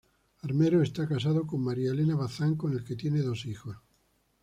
Armero está casado con María Elena Bazán con la que tiene dos hijos.